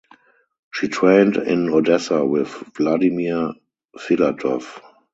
She trained in Odessa with Vladimir Filatov.